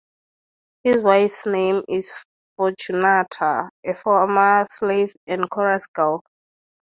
His wife's name is Fortunata, a former slave and chorus girl.